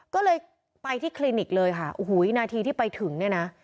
ก็เลยไปที่คลินิกเลยค่ะโอ้โหวินาทีที่ไปถึงเนี่ยนะ